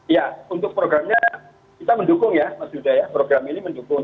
ya untuk programnya kita mendukung ya mas yuda ya program ini mendukung